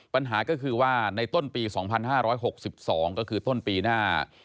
ปัญหาก็คือว่าในต้นปี๒๕๖๒ก็คือต้นปีหน้า